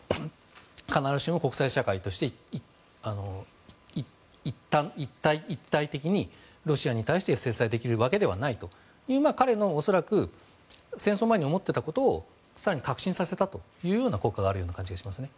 必ずしも国際社会として一体的にロシアに対して制裁できるわけではないという彼が戦争前に思っていたことを更に確信させたというような効果があると感じますね。